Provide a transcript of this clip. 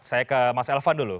saya ke mas elvan dulu